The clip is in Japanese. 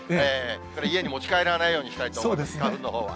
これ、家に持ち帰らないようにしたいと思います、花粉のほうは。